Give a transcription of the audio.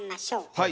はい。